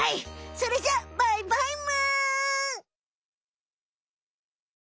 それじゃあバイバイむ！